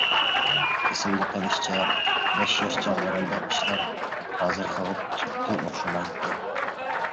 ئېسىمدە قېلىشىچە، بەش ياش چاغلىرىمدا ئىشلار ھازىرقىغا تۈپتىن ئوخشىمايتتى.